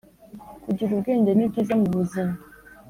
kugira ubwenge ni byiza mu buzima